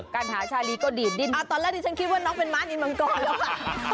การหาชาลีก็ดีดดิ้นตอนแรกที่ฉันคิดว่าน้องเป็นม้านีมังกรแล้วค่ะ